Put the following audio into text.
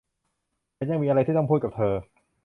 ฉันยังมีอะไรที่ต้องพูดกับเธอ